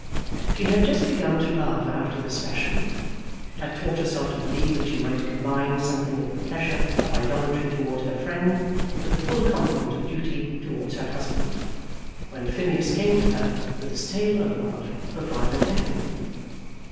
She had just begun to love after this fashion, had taught herself to believe that she might combine something of the pleasure of idolatry towards her friend with a full complement of duty towards her husband, when Phineas came to her with his tale of love for Violet Effingham.